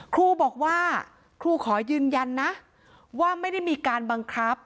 ครูบอกว่าครูขอยืนยันนะว่าไม่ได้มีการบังคับ